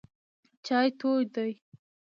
چای تود دی.